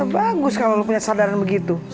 bagus kalau punya sadaran begitu